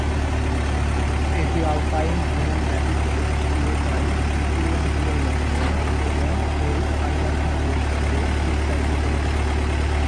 এটি আলপাইন ভ্রমণ ব্যতীত পুরোটাই ভিক্টোরিয়ান যুগের লন্ডন এবং এর পারিপার্শ্বিক অবস্থাকে চিত্রায়িত হয়েছে।